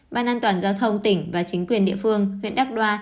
ban an toàn giao thông tỉnh và chính quyền địa phương huyện đắc đoa